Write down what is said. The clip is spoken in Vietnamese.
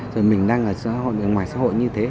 rồi mình đang ở ngoài xã hội như thế